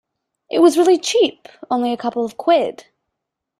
It was really cheap! Only a couple of quid!